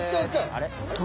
あれ？